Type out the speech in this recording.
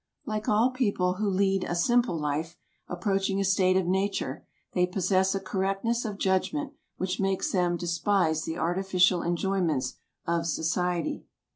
Like all people who lead a simple life, approaching a state of nature, they possess a correctness of judgment which makes them despise the artificial enjoyments of society.